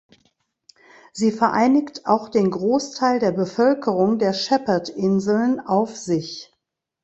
Sie vereinigt auch den Großteil der Bevölkerung der Shepherd-Inseln auf sich.